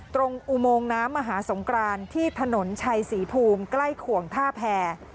อุโมงน้ำมหาสงครานที่ถนนชัยศรีภูมิใกล้ขวงท่าแพร